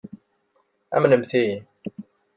Amnemt-iyi!